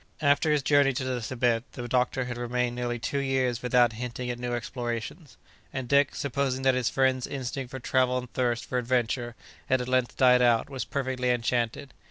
After his journey to the Thibet, the doctor had remained nearly two years without hinting at new explorations; and Dick, supposing that his friend's instinct for travel and thirst for adventure had at length died out, was perfectly enchanted.